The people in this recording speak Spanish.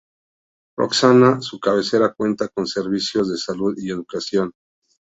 Roxana, su cabecera, cuenta con servicios de salud y educación.